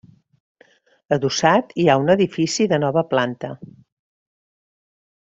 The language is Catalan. Adossat hi ha un edifici de nova planta.